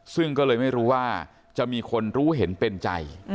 ซึ่งก็เลยไม่รู้ว่าจะมีคนรู้เห็นเป็นใจ